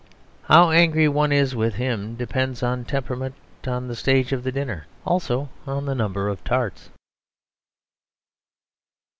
How angry one is with him depends on temperament, on the stage of the dinner also on the number of tarts.